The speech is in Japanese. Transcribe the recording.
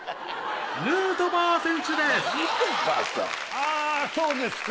あぁそうですか。